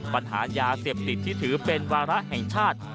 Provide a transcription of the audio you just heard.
ปัญหายาเสพติดที่ถือเป็นวาระแห่งชาติ